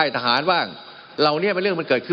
มันมีมาต่อเนื่องมีเหตุการณ์ที่ไม่เคยเกิดขึ้น